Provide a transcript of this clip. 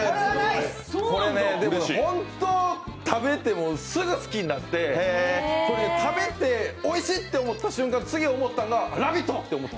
これ、本当食べてもうすぐ好きになって食べて、おいしいって思った瞬間、次、思ったのが「ラヴィット！」って思った。